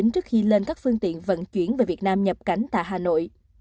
trước khi lên các phương tiện vận chuyển về việt nam nhập cảnh tại hà nội